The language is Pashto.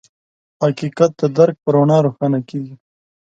حقیقت د درک په رڼا روښانه کېږي.